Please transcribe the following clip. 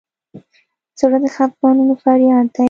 زړه د خفګانونو فریاد دی.